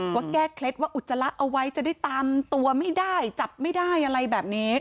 ว่าแก้เคล็ดว่าอุจจาระเอาไว้จะได้ตามตัวไม่ได้จับไม่ได้อะไรแบบนี้